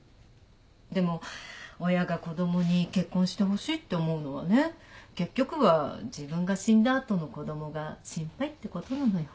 でも親が子供に結婚してほしいって思うのはね結局は自分が死んだ後の子供が心配ってことなのよ。